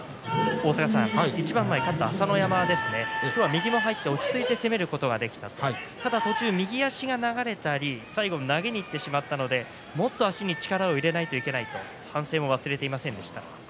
一番前勝った朝乃山ですが今日は右も入って落ち着いて攻めることができたただ途中、右足流れたり最後投げにいってしまったのでもっと足に力を入れないといけないと反省も忘れていませんでした。